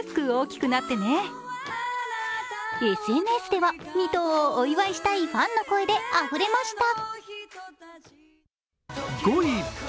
ＳＮＳでは２頭をお祝いしたいファンの声であふれました。